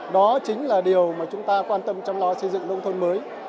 đó chính là điều mà chúng ta quan tâm trong loa xây dựng nông thôn mới